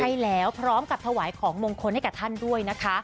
ใช่แล้วพร้อมกับถวายของมงคลให้กับท่านด้วยนะคะ